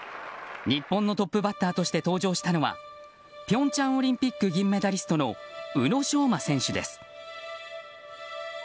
日本のトップバッターとして登場したのは平昌オリンピック銀メダリストの宇野昌磨選手です。